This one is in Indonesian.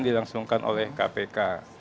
dilangsungkan oleh kpk